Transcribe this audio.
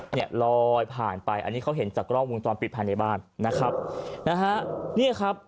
เนี่ยลอยผ่านไปอันนี้เขาเห็นจากกล้องวงตอนปิดทางในบ้านนะครับ